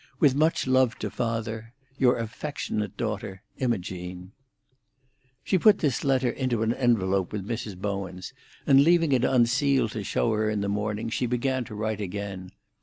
With much love to father, "Your affectionate daughter, "Imogene." She put this letter into an envelope with Mrs. Bowen's, and leaving it unsealed to show her in the morning, she began to write again.